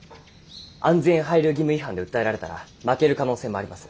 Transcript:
安全配慮義務違反で訴えられたら負ける可能性もあります。